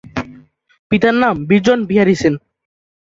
পিতার নাম বিজন বিহারী সেন।